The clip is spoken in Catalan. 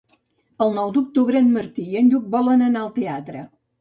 El nou d'octubre en Martí i en Lluc volen anar al teatre.